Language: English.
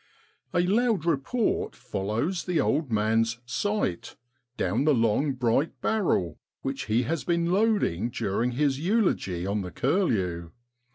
A loud report follows the old man's ' sight ' down the long, bright barrel, which he has been loading during his eulogy on the curlew.